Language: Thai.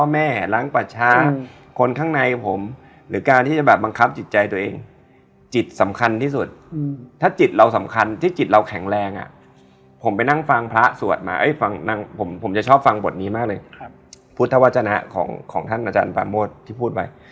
หลังจากนั้นก็เริ่มแย่ลงหมายความว่าความหนาวยังอยู่